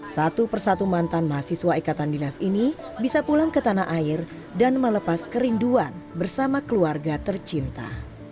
satu persatu mantan mahasiswa ikatan dinas ini bisa pulang ke tanah air dan melepas kerinduan bersama keluarga tercinta